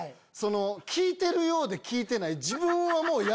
聞いてるようで聞いてない。